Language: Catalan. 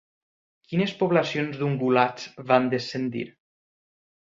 Quines poblacions d'ungulats van descendir?